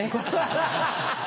ハハハ。